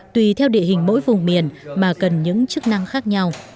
tùy theo địa hình mỗi vùng miền mà cần những chức năng khác nhau